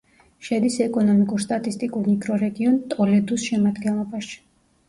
შედის ეკონომიკურ-სტატისტიკურ მიკრორეგიონ ტოლედუს შემადგენლობაში.